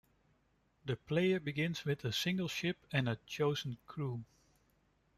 The player begins with a single ship and a chosen crew.